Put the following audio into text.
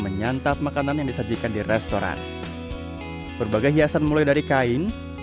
menyantap makanan yang disajikan di restoran berbagai hiasan mulai dari kain ornamen kayu dan